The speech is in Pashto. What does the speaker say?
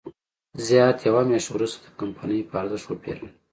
زیات یوه میاشت وروسته د کمپنۍ په ارزښت وپېرله.